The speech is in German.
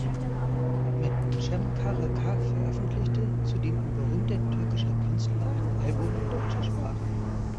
Mit Cem Karaca veröffentlichte zudem ein berühmter türkischer Künstler ein Album in deutscher Sprache.